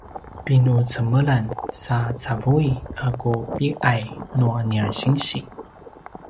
pinucemelan sa cavui a ku pi’ay nua nia sinsi